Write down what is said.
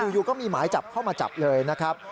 อยู่ก็มีหมายจับเข้ามาจับเลยนะครับ